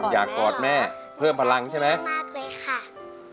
อยากกอดแม่เพิ่มพลังใช่ไหมมากเลยค่ะ